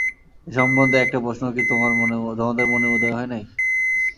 এ সম্বন্ধে একটা প্রশ্নও কি তোমাদের মনে উদয় হয় নাই?